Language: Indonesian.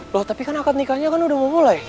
loh tapi kan akad nikahnya kan udah mau mulai